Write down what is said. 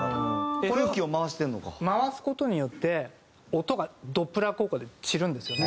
これを回す事によって音がドップラー効果で散るんですよね。